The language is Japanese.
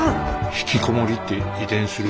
ひきこもりって遺伝する？